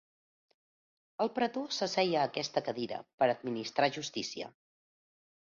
El pretor s'asseia a aquesta cadira per administrar justícia.